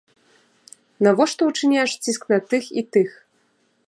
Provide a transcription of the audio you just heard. Навошта ўчыняеш ціск на тых і тых?